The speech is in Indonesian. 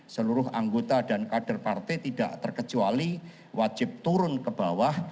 seluruh anggota dan kader partai tidak terkecuali wajib turun ke bawah